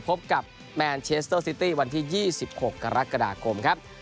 พบกับแมนเชสเตอร์ซิตี้วันที่ยี่สิบหกกรกฎากรมครับ